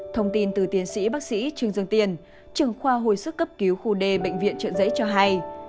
thông tin từ tiến sĩ bác sĩ trương dương tiên trưởng khoa hồi sức cấp cứu khu d bệnh viện trợn rẫy cho hay